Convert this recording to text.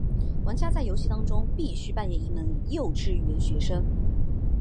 玩家在游戏中必须扮演一名幼稚园学生。